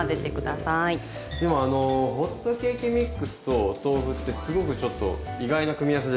でもホットケーキミックスとお豆腐ってすごくちょっと意外な組み合わせですね。